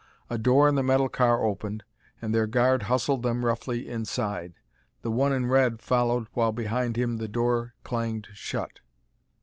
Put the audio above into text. A door in the metal car opened, and their guard hustled them roughly inside. The one in red followed while behind him the door clanged shut.